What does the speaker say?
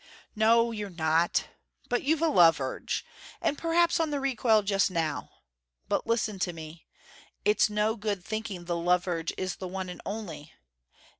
"No, you're not. But you've a love urge. And perhaps on the recoil just now. But listen to me. It's no good thinking the love urge is the one and only.